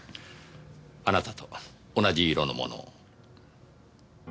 あなたと同じ色のものを。